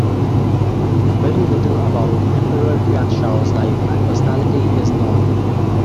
Very little about Emperor Qianshao's life and personality is known.